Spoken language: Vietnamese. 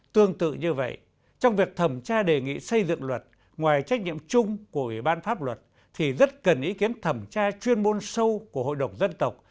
tương tự như vậy trong việc thẩm tra đề nghị xây dựng luật ngoài trách nhiệm chung của ủy ban pháp luật thì rất cần ý kiến thẩm tra chuyên môn sâu của hội đồng dân tộc